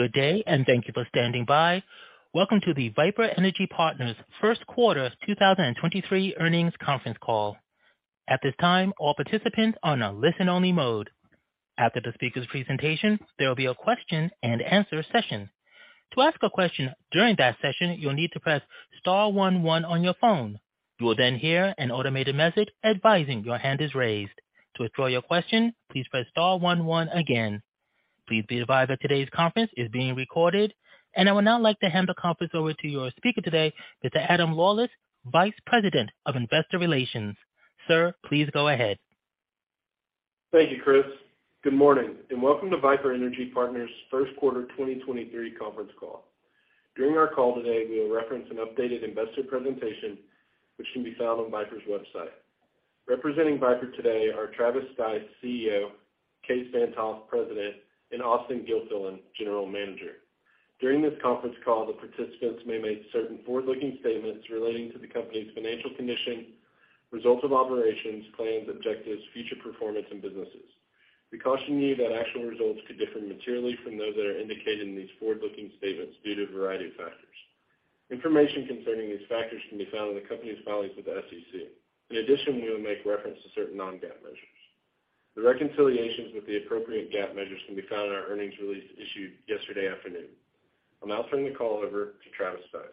Good day, and thank you for standing by. Welcome to the Viper Energy Partners First Quarter 2023 Earnings Conference Call. At this time, all participants are on a listen-only mode. After the speaker's presentation, there will be a question and answer session. To ask a question during that session, you'll need to press star one one on your phone. You will then hear an automated message advising your hand is raised. To withdraw your question, please press star one one again. Please be advised that today's conference is being recorded. I would now like to hand the conference over to your speaker today, Mr. Adam Lawlis, Vice President of Investor Relations. Sir, please go ahead. Thank you, Chris. Good morning, and welcome to Viper Energy Partners first quarter 2023 conference call. During our call today, we will reference an updated investor presentation which can be found on Viper's website. Representing Viper today are Travis Stice, CEO; Kaes Van't Hof, President; and Austen Gilfillian, General Manager. During this conference call, the participants may make certain forward-looking statements relating to the company's financial condition, results of operations, plans, objectives, future performance and businesses. We caution you that actual results could differ materially from those that are indicated in these forward-looking statements due to a variety of factors. Information concerning these factors can be found in the company's filings with the SEC. In addition, we will make reference to certain non-GAAP measures. The reconciliations with the appropriate GAAP measures can be found in our earnings release issued yesterday afternoon. I'll now turn the call over to Travis Stice.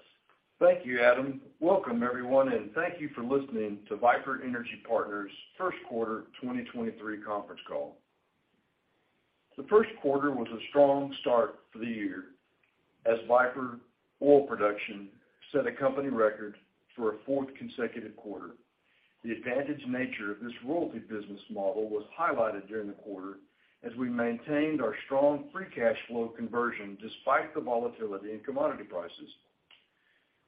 Thank you, Adam. Welcome, everyone, thank you for listening to Viper Energy Partners first quarter 2023 conference call. The first quarter was a strong start for the year as Viper oil production set a company record for a fourth consecutive quarter. The advantaged nature of this royalty business model was highlighted during the quarter as we maintained our strong free cash flow conversion despite the volatility in commodity prices.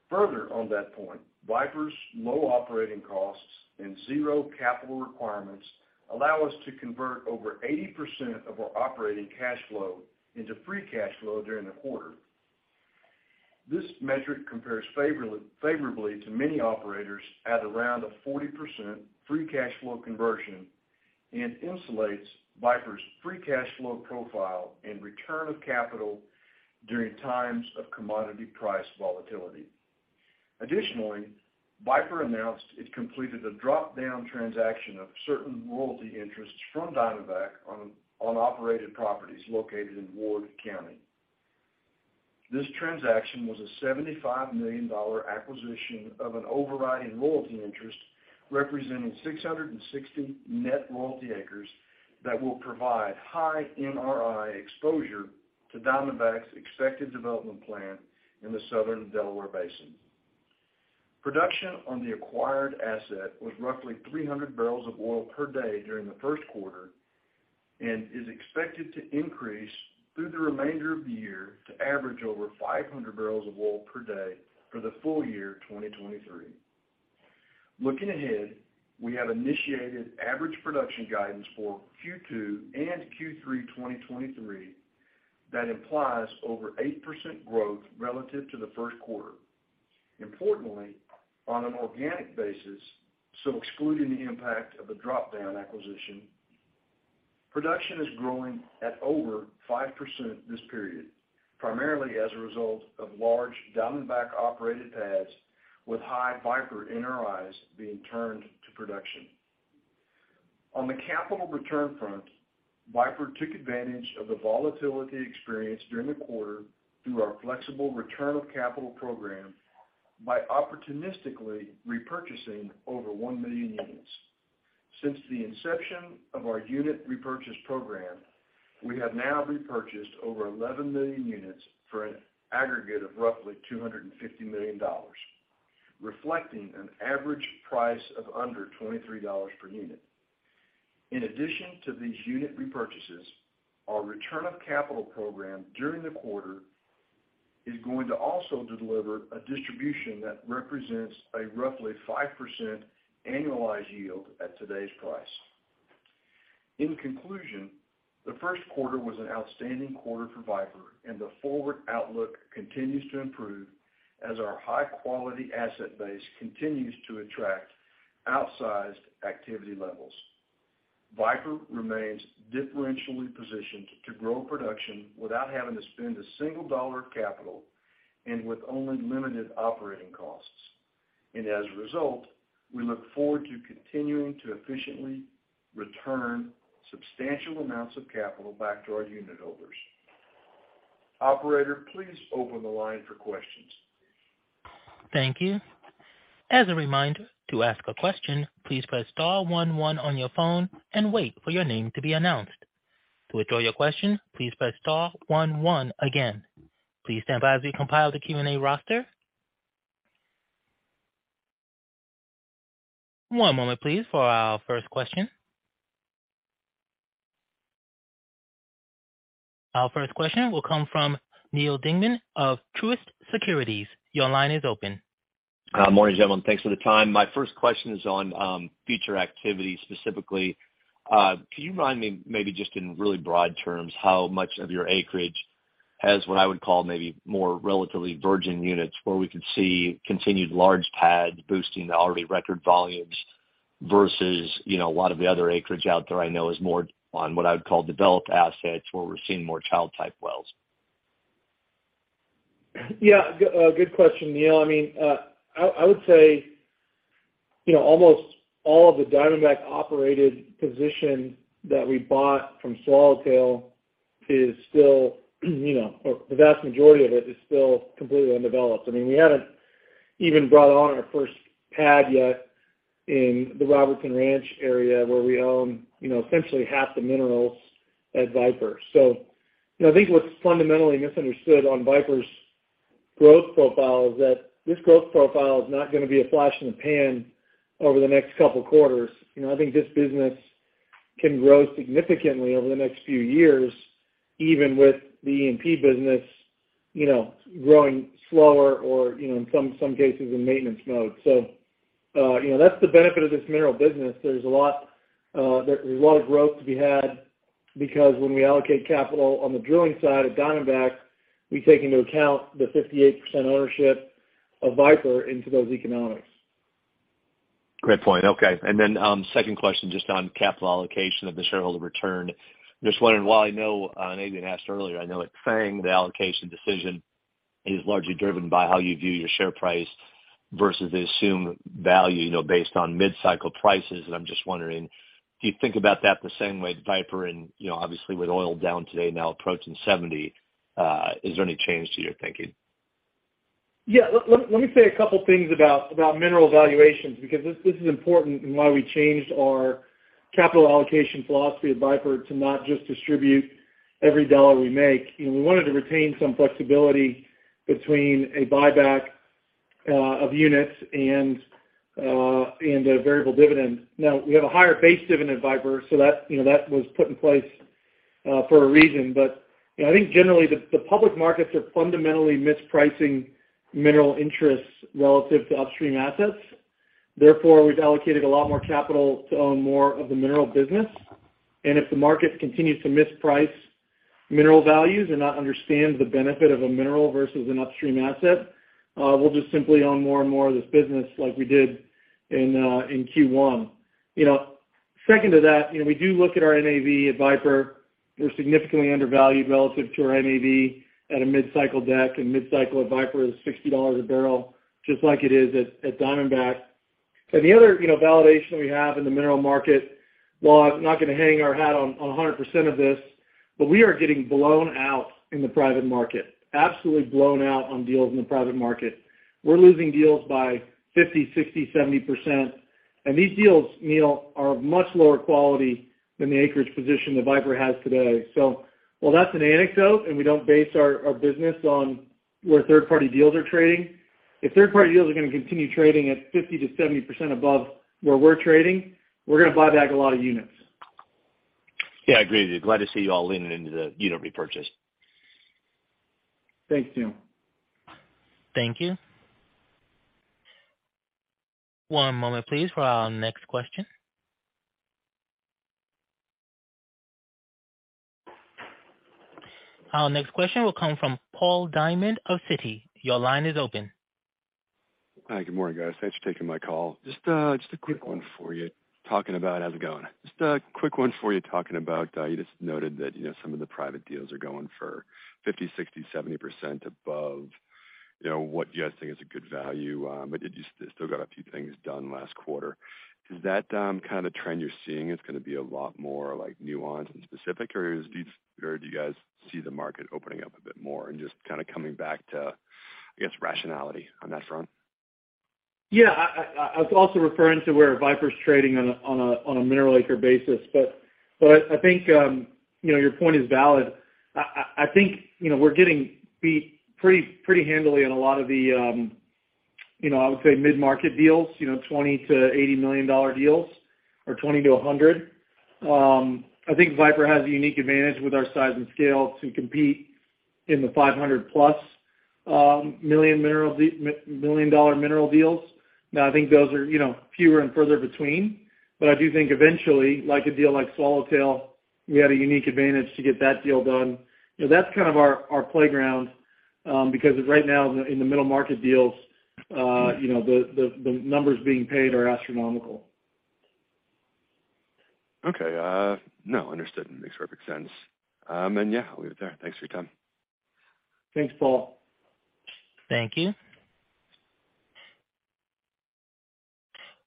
Further on that point, Viper's low operating costs and zero capital requirements allow us to convert over 80% of our operating cash flow into free cash flow during the quarter. This metric compares favorably to many operators at around a 40% free cash flow conversion and insulates Viper's free cash flow profile and return of capital during times of commodity price volatility. Additionally, Viper announced it completed a drop-down transaction of certain royalty interests from Diamondback on operated properties located in Ward County. This transaction was a $75 million acquisition of an overriding royalty interest representing 660 net royalty acres that will provide high NRI exposure to Diamondback's expected development plan in the Southern Delaware Basin. Production on the acquired asset was roughly 300 barrels of oil per day during the first quarter and is expected to increase through the remainder of the year to average over 500 barrels of oil per day for the full year 2023. Looking ahead, we have initiated average production guidance for Q2 and Q3 2023 that implies over 8% growth relative to the first quarter. On an organic basis, so excluding the impact of a drop-down acquisition, production is growing at over 5% this period, primarily as a result of large Diamondback-operated pads with high Viper NRIs being turned to production. On the capital return front, Viper took advantage of the volatility experienced during the quarter through our flexible return of capital program by opportunistically repurchasing over 1 million units. Since the inception of our unit repurchase program, we have now repurchased over 11 million units for an aggregate of roughly $250 million, reflecting an average price of under $23 per unit. In addition to these unit repurchases, our return of capital program during the quarter is going to also deliver a distribution that represents a roughly 5% annualized yield at today's price. In conclusion, the first quarter was an outstanding quarter for Viper, and the forward outlook continues to improve as our high-quality asset base continues to attract outsized activity levels. Viper remains differentially positioned to grow production without having to spend a single dollar of capital and with only limited operating costs. As a result, we look forward to continuing to efficiently return substantial amounts of capital back to our unit holders. Operator, please open the line for questions. Thank you. As a reminder, to ask a question, please press star one one on your phone and wait for your name to be announced. To withdraw your question, please press star one one again. Please stand by as we compile the Q&A roster. One moment please for our first question. Our first question will come from Neal Dingmann of Truist Securities. Your line is open. Morning, gentlemen. Thanks for the time. My first question is on future activity. Specifically, can you remind me, maybe just in really broad terms, how much of your acreage has what I would call maybe more relatively virgin units where we could see continued large pads boosting the already record volumes versus, you know, a lot of the other acreage out there I know is more on what I would call developed assets where we're seeing more child-type wells? Yeah, good question, Neal. I mean, I would say, you know, almost all of the Diamondback operated position that we bought from Swallowtail is still, you know, or the vast majority of it is still completely undeveloped. I mean, we haven't even brought on our first pad yet in the Robertson Ranch area where we own, you know, essentially half the minerals at Viper. You know, I think what's fundamentally misunderstood on Viper's growth profile is that this growth profile is not gonna be a flash in the pan over the next two quarters. You know, I think this business can grow significantly over the next few years, even with the E&P business, you know, growing slower or, you know, in some cases in maintenance mode. You know, that's the benefit of this mineral business. There's a lot, there's a lot of growth to be had because when we allocate capital on the drilling side at Diamondback, we take into account the 58% ownership of Viper into those economics. Great point. Okay. Then, second question just on capital allocation of the shareholder return. Just wondering, while I know, and Adrian asked earlier, I know at Fang, the allocation decision is largely driven by how you view your share price versus the assumed value, you know, based on mid-cycle prices. I'm just wondering, do you think about that the same way at Viper and, you know, obviously with oil down today now approaching 70, is there any change to your thinking? Let me say a couple things about mineral valuations, because this is important in why we changed our capital allocation philosophy at Viper to not just distribute every dollar we make. You know, we wanted to retain some flexibility between a buyback of units and a variable dividend. We have a higher base dividend at Viper, so that, you know, that was put in place for a reason. You know, I think generally the public markets are fundamentally mispricing mineral interests relative to upstream assets. We've allocated a lot more capital to own more of the mineral business. If the market continues to misprice mineral values and not understand the benefit of a mineral versus an upstream asset, we'll just simply own more and more of this business like we did in Q1. You know, second to that, you know, we do look at our NAV at Viper. We're significantly undervalued relative to our NAV at a mid-cycle deck, and mid-cycle at Viper is $60 a barrel, just like it is at Diamondback. The other, you know, validation we have in the mineral market, while I'm not gonna hang our hat on 100% of this, but we are getting blown out in the private market. Absolutely blown out on deals in the private market. We're losing deals by 50%, 60%, 70%. These deals, Neal, are of much lower quality than the acreage position that Viper has today. While that's an anecdote and we don't base our business on where third-party deals are trading, if third-party deals are gonna continue trading at 50%-70% above where we're trading, we're gonna buy back a lot of units. Yeah, I agree with you. Glad to see you all leaning into the unit repurchase. Thanks, Neal. Thank you. One moment please for our next question. Our next question will come from Paul Diamond of Citi. Your line is open. Hi, good morning, guys. Thanks for taking my call. Just a quick one for you. Talking about how's it going? Just a quick one for you talking about, you just noted that, you know, some of the private deals are going for 50%, 60%, 70% above, you know, what you guys think is a good value. But you still got a few things done last quarter. Is that kind of trend you're seeing is gonna be a lot more like nuanced and specific? Or do you guys see the market opening up a bit more and just kinda coming back to, I guess, rationality on that front? Yeah. I was also referring to where Viper's trading on a mineral acre basis. I think, you know, your point is valid. I think, you know, we're getting beat pretty handily on a lot of the, you know, I would say mid-market deals, you know, $20 million-$80 million deals or $20 million-$100 million. I think Viper has a unique advantage with our size and scale to compete in the $500 million+ mineral deals. Now, I think those are, you know, fewer and further between. I do think eventually, like a deal like Swallowtail, we had a unique advantage to get that deal done. You know, that's kind of our playground, because right now in the, in the middle market deals, you know, the numbers being paid are astronomical. Okay. No, understood. Makes perfect sense. Yeah, I'll leave it there. Thanks for your time. Thanks, Paul. Thank you.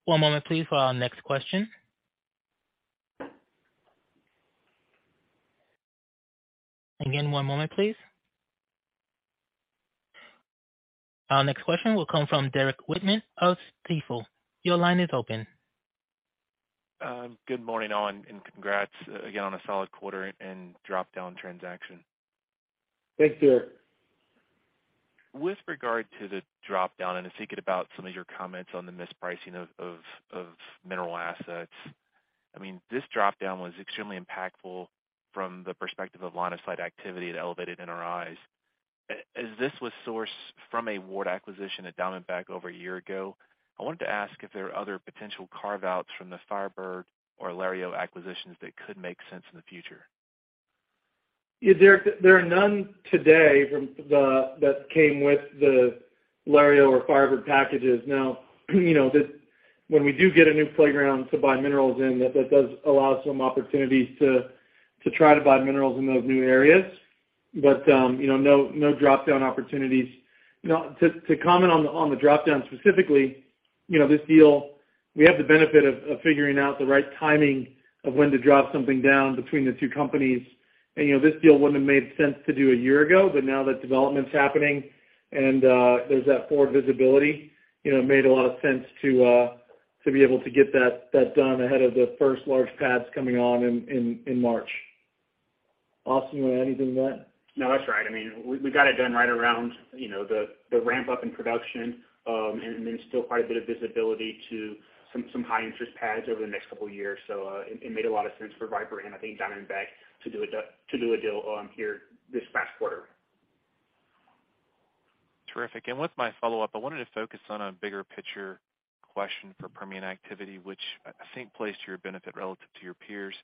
One moment please for our next question. Again, one moment please. Our next question will come from Derrick Whitfield of Stifel. Your line is open. Good morning, all, and congrats again on a solid quarter and drop-down transaction. Thanks, Derrick. With regard to the drop-down, and I was thinking about some of your comments on the mispricing of mineral assets, I mean, this drop-down was extremely impactful from the perspective of line of sight activity and elevated NRIs. As this was sourced from a ward acquisition at Diamondback over a year ago, I wanted to ask if there are other potential carve-outs from the Firebird or Lario acquisitions that could make sense in the future? Yeah, Derek, there are none today from that came with the Lario or Viper packages. You know, when we do get a new playground to buy minerals in, that does allow some opportunities to try to buy minerals in those new areas. You know, no drop-down opportunities. To comment on the drop-down specifically, you know, this deal, we have the benefit of figuring out the right timing of when to drop something down between the two companies. You know, this deal wouldn't have made sense to do a year ago, but now that development's happening and there's that forward visibility, you know, it made a lot of sense to be able to get that done ahead of the first large pads coming on in March. Austen, you want to add anything to that? No, that's right. I mean, we got it done right around, you know, the ramp up in production, and then still quite a bit of visibility to some high interest pads over the next couple of years. It made a lot of sense for Viper and I think Diamondback to do a deal here this past quarter. Terrific. With my follow-up, I wanted to focus on a bigger picture question for Permian activity, which I think plays to your benefit relative to your peers.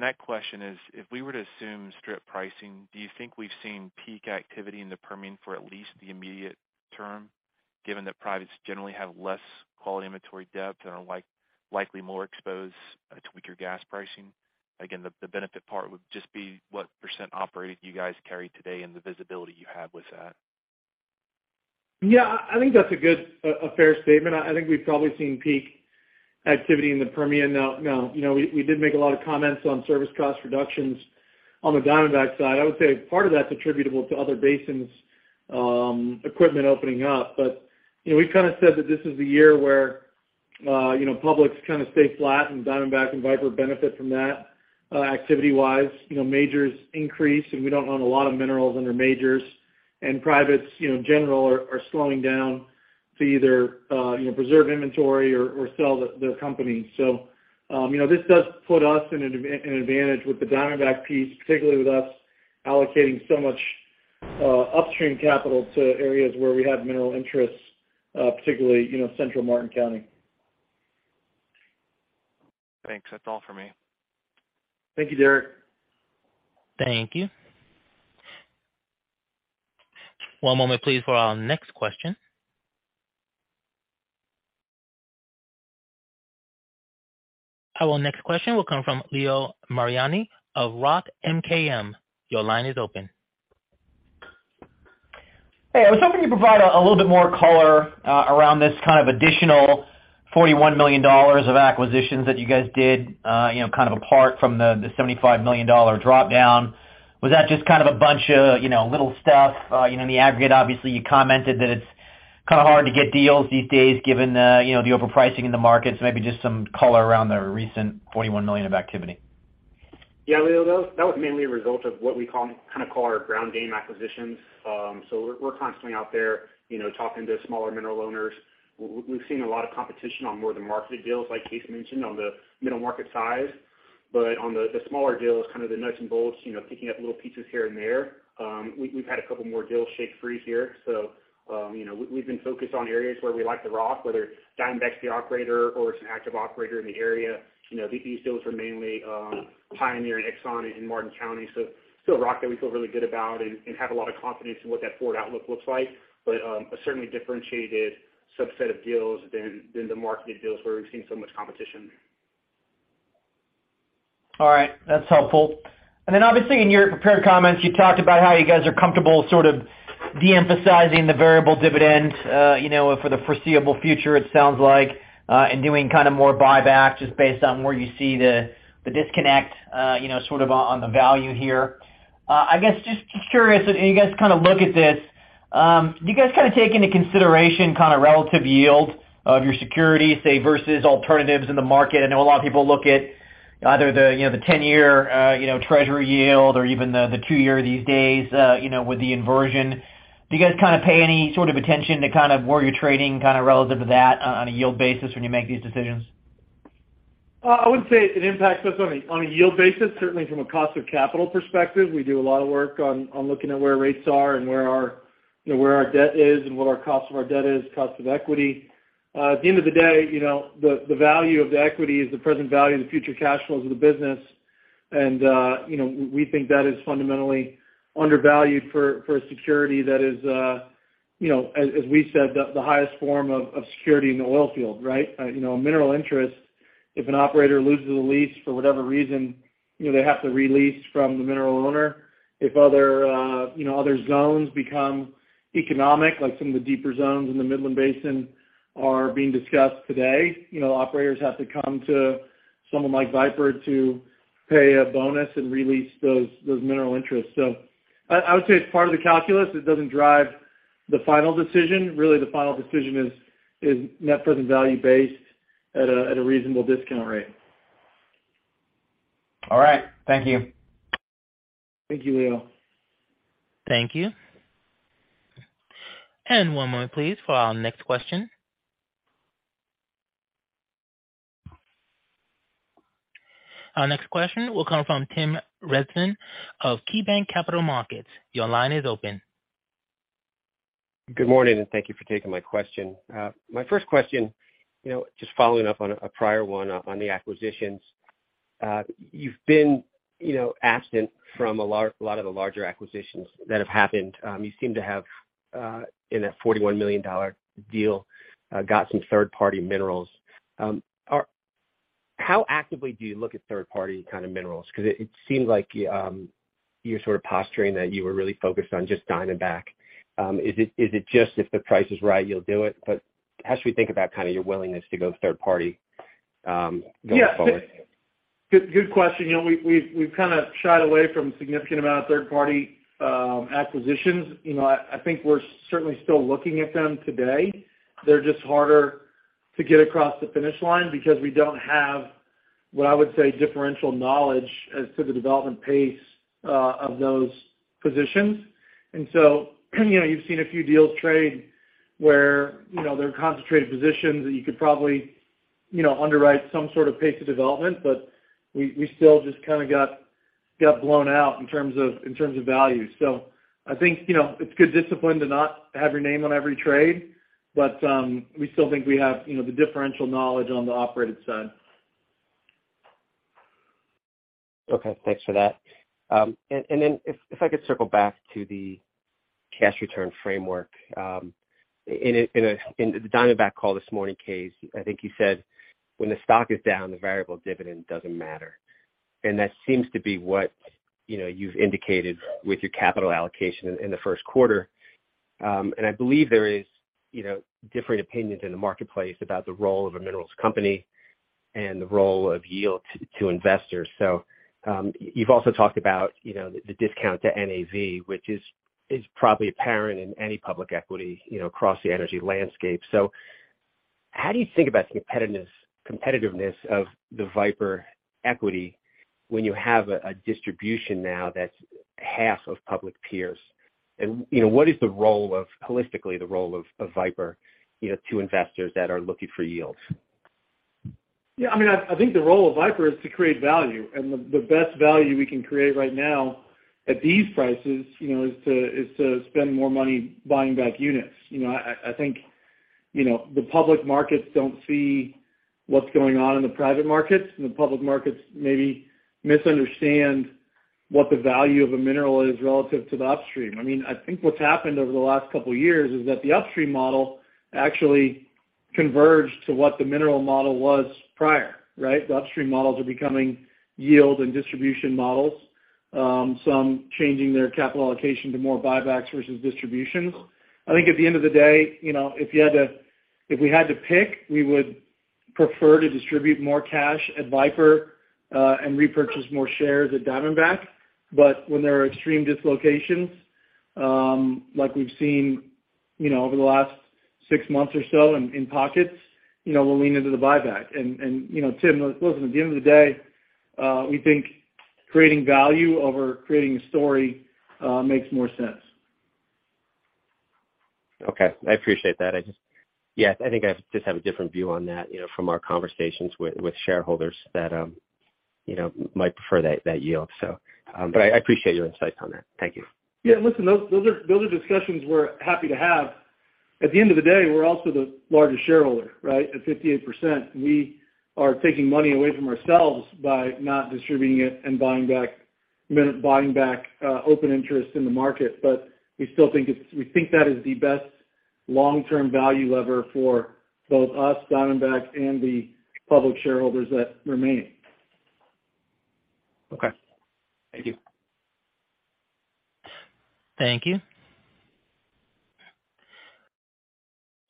That question is, if we were to assume strip pricing, do you think we've seen peak activity in the Permian for at least the immediate term, given that privates generally have less quality inventory depth and are likely more exposed to weaker gas pricing? Again, the benefit part would just be what percent operated you guys carry today and the visibility you have with that. Yeah. I think that's a fair statement. I think we've probably seen peak activity in the Permian. Now, you know, we did make a lot of comments on service cost reductions on the Diamondback side. I would say part of that's attributable to other basins, equipment opening up. You know, we've kind of said that this is the year where, you know, publics kind of stay flat and Diamondback and Viper benefit from that, activity-wise. You know, majors increase, we don't own a lot of minerals under majors. Privates, you know, in general are slowing down to either, you know, preserve inventory or sell the company. you know, this does put us in an advantage with the Diamondback piece, particularly with us allocating so much upstream capital to areas where we have mineral interests, particularly, you know, Central Martin County. Thanks. That's all for me. Thank you, Derrick. Thank you. One moment, please, for our next question. Our next question will come from Leo Mariani of Roth MKM. Your line is open. Hey, I was hoping you'd provide a little bit more color around this kind of additional $41 million of acquisitions that you guys did, you know, kind of apart from the $75 million drop-down. Was that just kind of a bunch of, you know, little stuff? You know, in the aggregate, obviously, you commented that it's kind of hard to get deals these days given, you know, the overpricing in the markets. Maybe just some color around the recent $41 million of activity. Yeah, Leo, that was mainly a result of what we kind of call our ground game acquisitions. We're constantly out there, you know, talking to smaller mineral owners. We've seen a lot of competition on more of the marketed deals, like Kaes mentioned, on the middle market size. On the smaller deals, kind of the nuts and bolts, you know, picking up little pieces here and there, we've had a couple more deals shake free here. We've been focused on areas where we like the rock, whether Diamondback's the operator or it's an active operator in the area. These deals are mainly Pioneer and Exxon in Martin County. Still a rock that we feel really good about and have a lot of confidence in what that forward outlook looks like. A certainly differentiated subset of deals than the marketed deals where we've seen so much competition. All right. That's helpful. Obviously, in your prepared comments, you talked about how you guys are comfortable sort of de-emphasizing the variable dividend, you know, for the foreseeable future, it sounds like, and doing kind of more buyback just based on where you see the disconnect, you know, sort of on the value here. I guess just curious, when you guys kind of look at this, do you guys kind of take into consideration kind of relative yield of your security, say, versus alternatives in the market? I know a lot of people look at either the, you know, the 10-year, you know, treasury yield or even the two-year these days, you know, with the inversion. Do you guys kind of pay any sort of attention to kind of where you're trading kind of relative to that on a yield basis when you make these decisions? I wouldn't say it impacts us on a yield basis. Certainly, from a cost of capital perspective, we do a lot of work on looking at where rates are and where our, you know, where our debt is and what our cost of our debt is, cost of equity. At the end of the day, you know, the value of the equity is the present value of the future cash flows of the business. you know, we think that is fundamentally undervalued for a security that is, you know, as we said, the highest form of security in the oil field, right? you know, a mineral interest, if an operator loses a lease for whatever reason, you know, they have to re-lease from the mineral owner. If other, you know, other zones become economic, like some of the deeper zones in the Midland Basin are being discussed today, you know, operators have to come to someone like Viper to pay a bonus and re-lease those mineral interests. I would say it's part of the calculus. It doesn't drive the final decision. Really, the final decision is net present value based at a reasonable discount rate. All right. Thank you. Thank you, Leo. Thank you. One moment, please, for our next question. Our next question will come from Tim Rezvan of KeyBanc Capital Markets. Your line is open. Good morning, and thank you for taking my question. My first question, you know, just following up on a prior one on the acquisitions. You've been, you know, absent from a lot of the larger acquisitions that have happened. You seem to have in a $41 million deal got some third party minerals. How actively do you look at third party kind of minerals? Because it seems like you're sort of posturing that you were really focused on just Diamondback. Is it just if the price is right, you'll do it? How should we think about kind of your willingness to go third party going forward? Yeah. Good, good question. You know we've kinda shied away from significant amount of third party acquisitions. You know, I think we're certainly still looking at them today. They're just harder to get across the finish line because we don't have what I would say differential knowledge as to the development pace of those positions. You know, you've seen a few deals trade where, you know, there are concentrated positions that you could probably, you know, underwrite some sort of pace of development, but we still just kinda got blown out in terms of value. I think, you know, it's good discipline to not have your name on every trade, but we still think we have, you know, the differential knowledge on the operated side. Okay. Thanks for that. And then if I could circle back to the cash return framework. In the Diamondback call this morning, Kaes, I think you said, when the stock is down, the variable dividend doesn't matter. That seems to be what, you know, you've indicated with your capital allocation in the first quarter. I believe there is, you know, different opinions in the marketplace about the role of a minerals company and the role of yield to investors. You've also talked about, you know, the discount to NAV, which is probably apparent in any public equity, you know, across the energy landscape. How do you think about the competitiveness of the Viper equity when you have a distribution now that's half of public peers? you know, holistically, the role of Viper, you know, to investors that are looking for yields? Yeah. I mean, I think the role of Viper is to create value. The best value we can create right now at these prices, you know, is to spend more money buying back units. You know, I think, you know, the public markets don't see what's going on in the private markets, the public markets maybe misunderstand what the value of a mineral is relative to the upstream. I mean, I think what's happened over the last couple years is that the upstream model actually converged to what the mineral model was prior, right? The upstream models are becoming yield and distribution models, some changing their capital allocation to more buybacks versus distributions. I think at the end of the day, you know, if we had to pick, we would prefer to distribute more cash at Viper, and repurchase more shares at Diamondback. When there are extreme dislocations, like we've seen, you know, over the last six months or so in pockets, you know, we'll lean into the buyback. Tim, listen, at the end of the day, we think creating value over creating a story, makes more sense. Okay. I appreciate that. Yes, I think I just have a different view on that, you know, from our conversations with shareholders that, you know, might prefer that yield. I appreciate your insights on that. Thank you. Yeah. Listen, those are discussions we're happy to have. At the end of the day, we're also the largest shareholder, right? At 58%, we are taking money away from ourselves by not distributing it and buying back open interest in the market. We still think that is the best long-term value lever for both us, Diamondback, and the public shareholders that remain. Okay. Thank you. Thank you.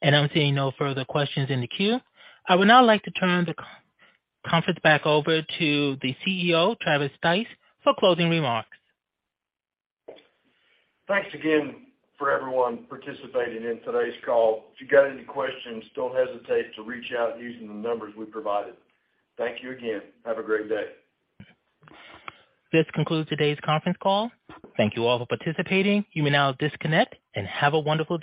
I'm seeing no further questions in the queue. I would now like to turn the conference back over to the CEO, Travis Stice, for closing remarks. Thanks again for everyone participating in today's call. If you got any questions, don't hesitate to reach out using the numbers we provided. Thank you again. Have a great day. This concludes today's conference call. Thank you all for participating. You may now disconnect and have a wonderful day.